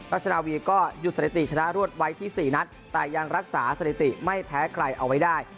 ราชนาวีก็หยุดสถิติชนะรวดไว้ที่๔นัดแต่ยังรักษาสถิติไม่แพ้ใครเอาไว้ได้